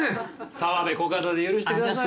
澤部コカドで許してくださいよ。